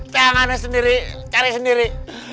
tengahnya sendiri cari sendiri